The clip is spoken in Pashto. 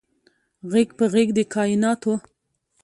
غیږ په غیږ د کائیناتو